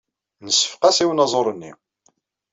Nseffeq-as i unaẓur-nni.